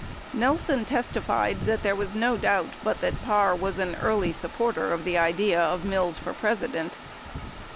Nelson testified that there was no doubt but that Parr was an early supporter of the idea of Mills for President.